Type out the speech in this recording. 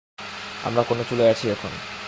আমরা কোন চুলোয় আছি এখন?